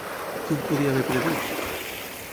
Qui ho podia haver predit?